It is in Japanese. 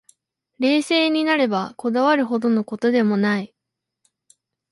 冷静になれば、こだわるほどの事でもない